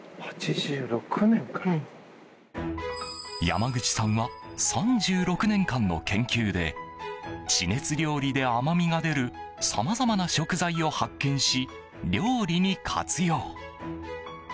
山口さんは３６年間の研究で地熱料理で甘みが出るさまざまな食材を発見し料理に活用。